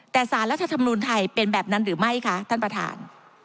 แต่สารรัฐธรรมนูลไทยเป็นแบบนั้นหรือไม่คะท่านประธาน